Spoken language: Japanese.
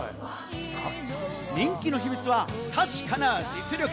人気の秘密は確かな実力。